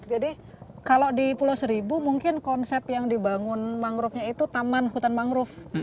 jadi kalau di pulau seribu mungkin konsep yang dibangun mangrovenya itu taman hutan mangrove